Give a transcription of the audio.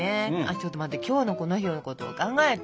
ちょっと待って今日のこの日のことを考えて。